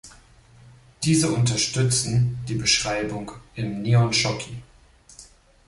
Diese unterstützen die Beschreibung im "Nihon Shoki".